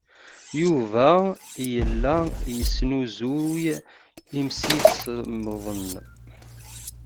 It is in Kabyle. Yuba yella yesnuzuy imsisemḍen.